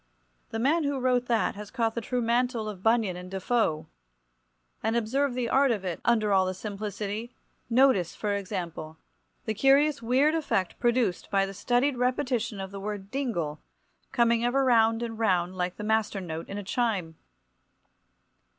The man who wrote that has caught the true mantle of Bunyan and Defoe. And, observe the art of it, under all the simplicity—notice, for example, the curious weird effect produced by the studied repetition of the word "dingle" coming ever round and round like the master note in a chime.